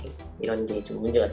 apakah ada yang lebih tepat